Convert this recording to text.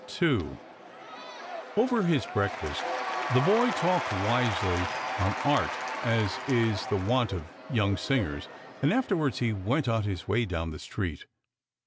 II Over his breakfast the boy talked wisely on art, as is the wont of young singers, and after wards he went on his way down the street.